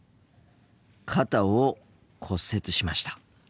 肩を骨折しました。